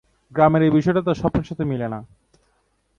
গ্রামের এই বিষয়টা তার স্বপ্নের সাথে মিলে না।